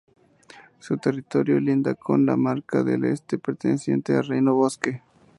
Su territorio linda con la Marca del Este, perteneciente a Reino Bosque.